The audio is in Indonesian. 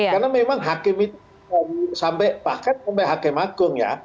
karena memang hakim itu sampai bahkan sampai hakim agung ya